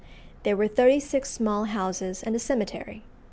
There were thirty six small houses and a cemetery.